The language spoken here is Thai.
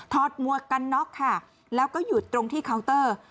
หมวกกันน็อกค่ะแล้วก็หยุดตรงที่เคาน์เตอร์